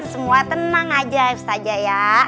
semua tenang aja ustazah ya